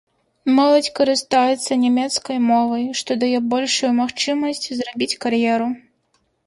Моладзь карыстаецца нямецкай мовай, што дае большую магчымасць зрабіць кар'еру.